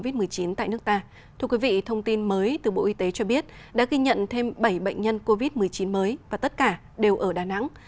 thưa quý vị thông tin mới từ bộ y tế cho biết đã ghi nhận thêm bảy bệnh nhân covid một mươi chín mới và tất cả đều ở đà nẵng